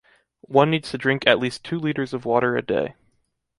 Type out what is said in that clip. One needs to drink at least two liters of water a day.